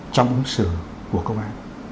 trong ứng xử của công an